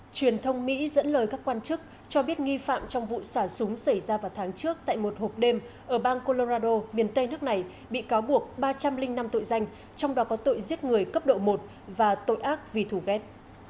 truyền thông mỹ dẫn lời các quan chức cho biết nghi phạm trong vụ xả súng xảy ra vào tháng trước tại một hộp đêm ở bang colorado miền tây nước này bị cáo buộc ba trăm linh năm tội danh trong đó có tội giết người cấp độ một và tội ác vì thủ ghét